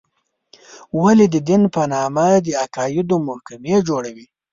ولې د دین په نامه د عقایدو محکمې جوړې وې.